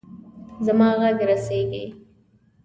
زما ږغ رسیږي.